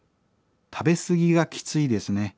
食べ過ぎがきついですね。